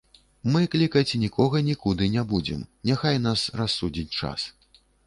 Мы клікаць нікога нікуды не будзем, няхай нас рассудзіць час.